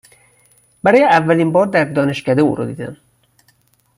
برای اولین بار در دانشکده او را دیدم.